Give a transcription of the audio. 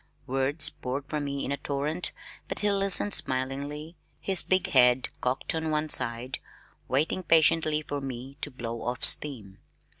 Words poured from me in a torrent but he listened smilingly, his big head cocked on one side, waiting patiently for me to blow off steam.